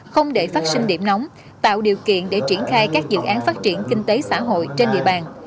không để phát sinh điểm nóng tạo điều kiện để triển khai các dự án phát triển kinh tế xã hội trên địa bàn